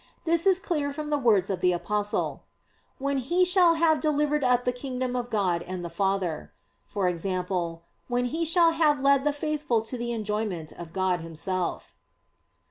This is clear from the words of the Apostle, "When He shall have delivered up the kingdom of God and the Father," i.e. when He shall have led the faithful to the enjoyment of God Himself.